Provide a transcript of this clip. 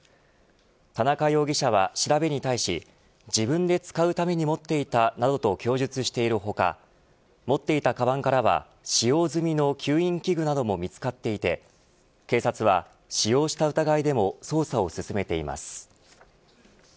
田中容疑者は調べに対し自分で使うために持っていたなどと供述している他持っていたかばんからは使用済みの吸引器具なども見つかっていて警察は使用した疑いでも捜査を進めています。